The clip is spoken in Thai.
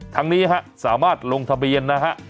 ทั้งนี้ฮะสามารถลงทะเบียนนะฮะ